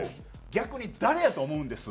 「逆に誰やと思うんです？」